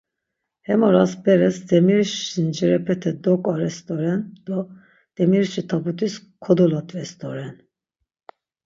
Hem oras beres demiriş zincirepete doǩores doren do demiriş tabutis kodolodves doren.